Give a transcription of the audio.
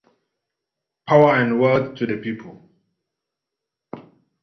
Power and Wealth to the People.